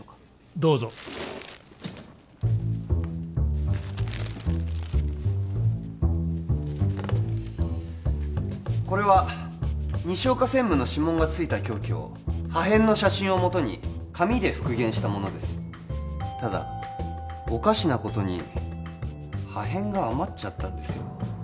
どうぞこれは西岡専務の指紋がついた凶器を破片の写真をもとに紙で復元したものですただおかしなことに破片が余っちゃったんですよ